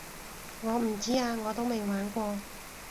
我唔知啊我都未玩過